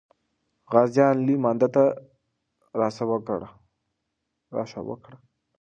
غازیان لوی مانده ته را سوه کړه.